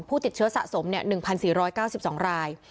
ผู้ติดเชื้อสะสม๑๔๙๒ราย